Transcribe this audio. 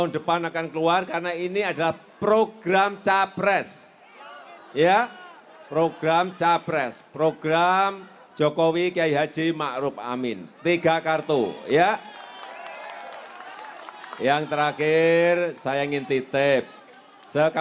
dan berikutnya kami minta kesedihannya untuk bapak k haji maruf amin untuk bisa memimpin doa